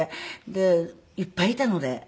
でいっぱいいたので。